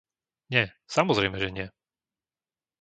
Nie, samozrejme, že nie.